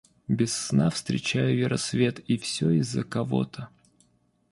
Без сна встречаю я рассвет И все из-за кого-то.